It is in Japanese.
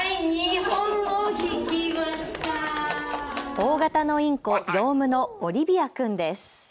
大型のインコ、ヨウムのオリビア君です。